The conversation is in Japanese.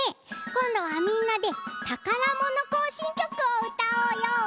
こんどはみんなで「たからもの行進曲」をうたおうよ。